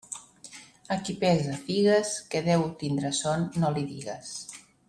A qui pesa figues, que deu tindre son no li digues.